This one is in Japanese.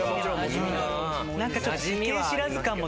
何かちょっと。